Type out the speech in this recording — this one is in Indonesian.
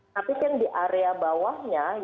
tapi kan di area bawahnya